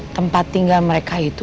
tempat tinggal mereka itu